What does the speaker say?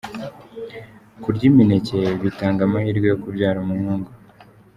Kurya imineke bitanga amahirwe yo kubyara umuhungu.